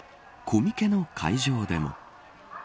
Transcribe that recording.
コミケの会場でも。